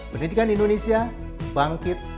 pendidikan di indonesia bangkit